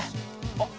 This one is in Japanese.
あっ！